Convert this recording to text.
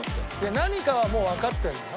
何かはもうわかってるのよ。